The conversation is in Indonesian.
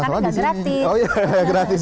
karena gak gratis